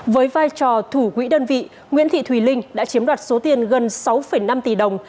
với vai trò thủ quỹ đơn vị nguyễn thị thùy linh đã chiếm đoạt số tiền gần sáu năm tỷ đồng